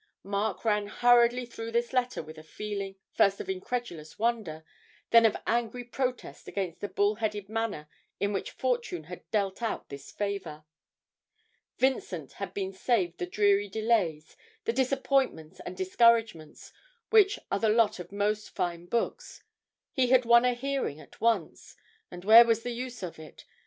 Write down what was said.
Mark ran hurriedly through this letter with a feeling, first of incredulous wonder, then of angry protest against the bull headed manner in which Fortune had dealt out this favour. Vincent had been saved the dreary delays, the disappointments and discouragements, which are the lot of most first books; he had won a hearing at once and where was the use of it?